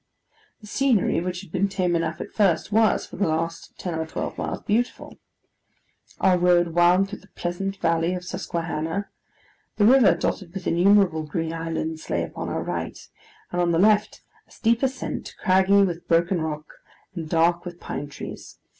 The scenery, which had been tame enough at first, was, for the last ten or twelve miles, beautiful. Our road wound through the pleasant valley of the Susquehanna; the river, dotted with innumerable green islands, lay upon our right; and on the left, a steep ascent, craggy with broken rock, and dark with pine trees.